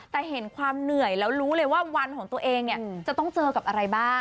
แต่เห็นความเหนื่อยแล้วรู้เลยว่าวันของตัวเองเนี่ยจะต้องเจอกับอะไรบ้าง